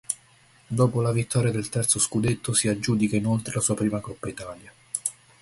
Dopo la vittoria del terzo scudetto si aggiudica inoltre la sua prima Coppa Italia.